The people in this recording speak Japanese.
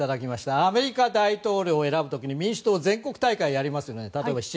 アメリカ大統領を選ぶ時に民主党全国大会をやりますよね。